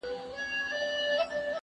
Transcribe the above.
زه د کتابتوننۍ سره خبري کړي دي!!